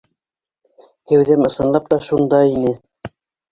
Кәүҙәм ысынлап та шунда ине.